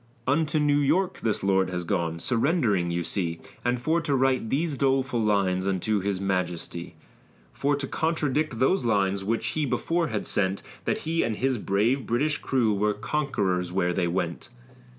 Unto New York this lord has gone, surrendering you see, And for to write these doleful lines unto his majesty; For to contradict those lines, which he before had sent, That he and his brave British crew were conquerors where they went.